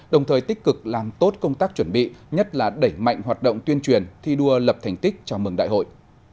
đồng thời tích cực làm tốt công tác chuẩn bị nhất là đẩy mạnh hoạt động tuyên truyền thi đua lập thành tích chào mừng đại hội